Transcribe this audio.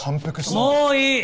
もういい！